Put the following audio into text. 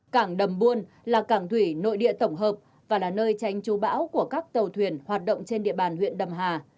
cảng đầm buôn là cảng thủy nội địa tổng hợp và là nơi tránh chú bão của các tàu thuyền hoạt động trên địa bàn huyện đầm hà